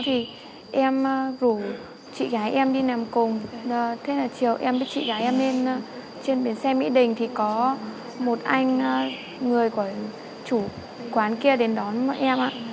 thế là chiều em với chị gái em lên trên biển xe mỹ đình thì có một anh người của chủ quán kia đến đón mọi em ạ